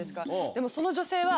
でもその女性は。